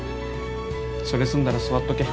それ済んだら座っとけ。